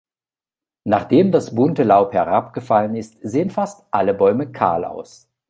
Nachdem das bunte Laub herabgefallen ist, sehen fast alle Bäume kahl aus.